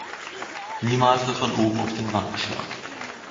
Niemals wird von oben auf den Rand geschlagen.